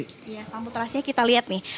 iya sambal terasinya kita lihat nih